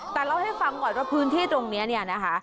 แต่เล่าให้ฟังก่อนว่าพื้นที่ตรงนี้เนี่ยนะคะ